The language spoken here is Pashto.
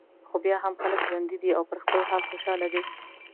خو بیا هم خلک ژوندي دي او پر خپل حال خوشاله دي.